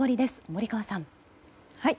森川さん。